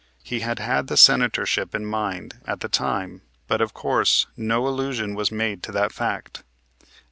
He had had the Senatorship in mind at the time, but, of course, no allusion was made to that fact.